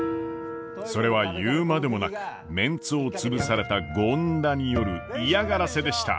それは言うまでもなくメンツを潰された権田による嫌がらせでした。